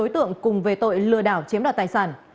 một đối tượng cùng về tội lừa đảo chiếm đoạt tài sản